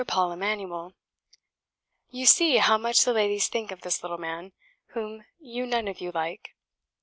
Paul Emanuel! You see how much the ladies think of this little man, whom you none of you like.